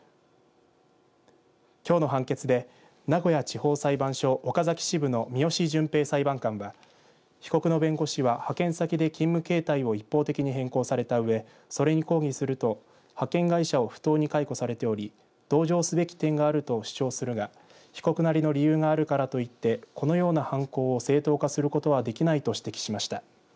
きょうの判決で名古屋地方裁判所岡崎支部の三芳純平裁判官は被告の弁護士は派遣先で勤務形態を一方的に変更されたうえそれに抗議すると派遣会社を不当に解雇されており同情すべき点があると主張するが被告なりの理由があるからといってこのような犯行を正当化することはできないと指摘しました。